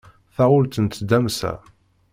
Taɣult n tdamsa.